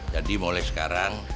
jadi mulai sekarang